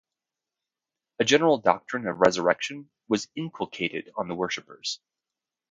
A general doctrine of resurrection was inculcated on the worshipers.